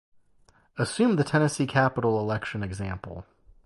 Assume the Tennessee capital election example.